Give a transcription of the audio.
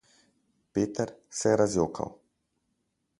Peter se je razjokal.